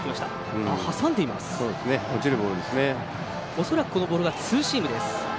恐らくこのボールがツーシームです。